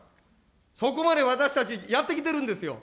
そこまで私たちやってきているんですよ。